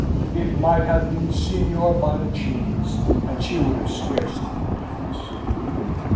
It might have been Signor Bononcini's, and she would have scarce known the difference.